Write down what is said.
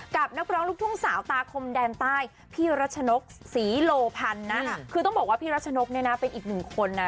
กับนักบร้องลูกถุ้งสาวตากมแดนใต้พี่รัชนกฤษสีโลพันนะครับคือต้องบอกว่ารัชนกเนี่ยนะ